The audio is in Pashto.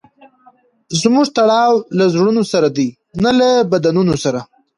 زموږ تړاو له زړونو سره دئ؛ نه له بدنونو سره.